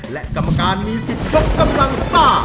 และกรรมการมีสิทธิ์ยกกำลังซ่า